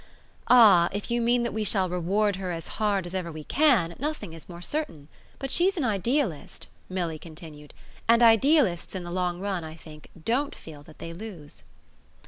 "Ah if you mean that we shall reward her as hard as ever we can, nothing is more certain. But she's an idealist," Milly continued, "and idealists, in the long run, I think, DON'T feel that they lose."